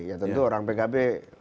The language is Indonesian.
ya tentu orang pkb